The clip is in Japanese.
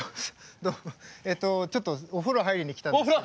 えとちょっとお風呂入りに来たんですけど。